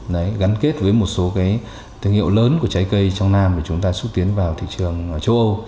đấy gắn kết với một số cái thương hiệu lớn của trái cây trong nam để chúng ta xúc tiến vào thị trường châu âu